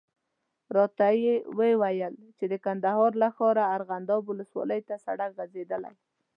راته یې وویل چې د کندهار له ښاره ارغنداب ولسوالي ته سړک غځېدلی.